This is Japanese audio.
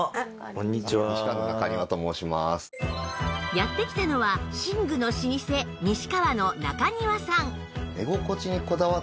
やって来たのは寝具の老舗西川の中庭さん